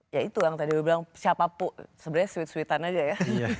ya itu yang tadi gue bilang siapapun sebenarnya sweet sweetan aja ya